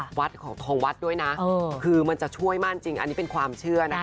วัดของทองวัดด้วยนะคือมันจะช่วยมากจริงอันนี้เป็นความเชื่อนะคะ